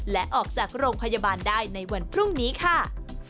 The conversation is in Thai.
และออกจากโรงพยาบาลได้ในวันพรุ่งนี้ค่ะ